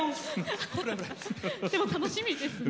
でも楽しみですね。